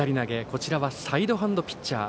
こちらはサイドハンドピッチャー。